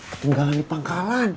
ketinggalan di pangkalan